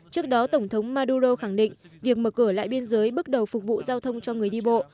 trước đó tổng thống maduro khẳng định việc mở cửa lại biên giới bước đầu phục vụ giao thông cho người đi bộ